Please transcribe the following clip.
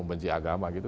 saya mencari agama gitu